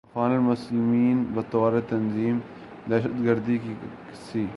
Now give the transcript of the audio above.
اخوان المسلمین بطور تنظیم دہشت گردی کے کسی